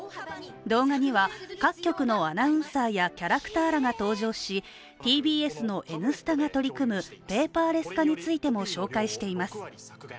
動画には、各局のアナウンサーやキャラクターらが登場しＴＢＳの「Ｎスタ」が取り組むペーパーレス化についても紹介しています。